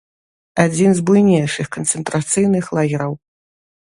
Адзін з буйнейшых канцэнтрацыйных лагераў.